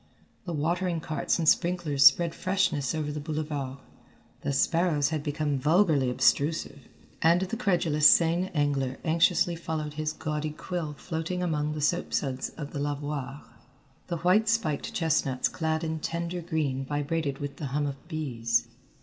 The watering carts and sprinklers spread freshness over the Boulevard, the sparrows had become vulgarly obtrusive, and the credulous Seine angler anxiously followed his gaudy quill floating among the soapsuds of the lavoirs. The white spiked chestnuts clad in tender green vibrated with the hum of bees.